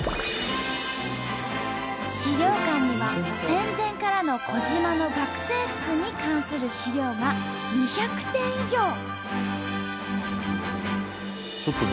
資料館には戦前からの児島の学生服に関する資料が２００点以上。